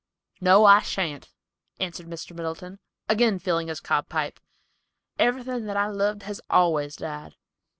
"No, I shan't," answered Mr. Middleton, again filling his cob pipe. "Everything that I loved has always died."